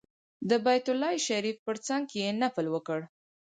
د بیت الله شریف په څنګ کې نفل وکړ.